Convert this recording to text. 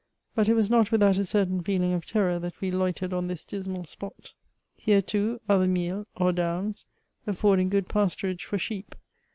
But, it was not without a certain feeling of terror that we loitered on this dismal spot. Here, too, are the Miels, or downs, affording good pasturage for sheep.